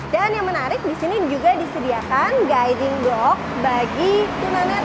dan yang menarik di sini juga disediakan guiding block bagi tunanet